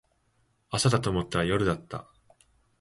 朝だと思ったら夜だった